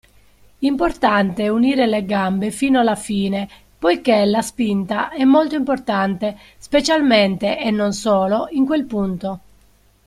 Importante unire le gambe fino alla fine, poiché la spinta è molto importante specialmente (e non solo) in quel punto.